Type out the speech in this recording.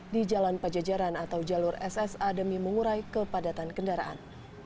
di jalan pajajaran atau jalur ssa demi mengurai kepadatan kendaraan